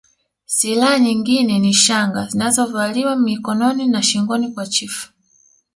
Silaha nyingine ni shanga zinazovaliwa mikononi na shingoni kwa chifu